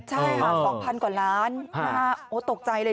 ใช่ฟังพันกว่าล้านโอ๊ยตกใจเลย